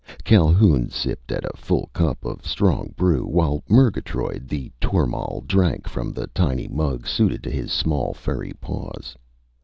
Calhoun sipped at a full cup of strong brew, while Murgatroyd the tormal drank from the tiny mug suited to his small, furry paws.